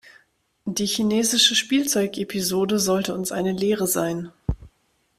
Die chinesische Spielzeug-Episode sollte uns eine Lehre sein.